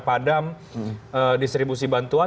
padam distribusi bantuan